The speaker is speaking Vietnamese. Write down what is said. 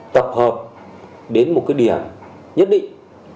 tập hợp đến một cái điểm nhất định